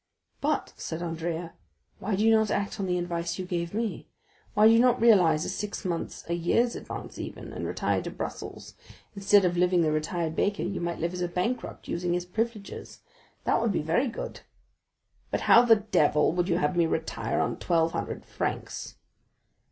"But," said Andrea, "why do you not act on the advice you gave me? Why do you not realize a six months', a year's advance even, and retire to Brussels? Instead of living the retired baker, you might live as a bankrupt, using his privileges; that would be very good." "But how the devil would you have me retire on twelve hundred francs?"